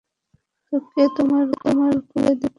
তো কে তোমার কাপড় খুলে নিবে?